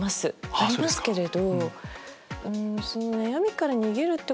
ありますけれど。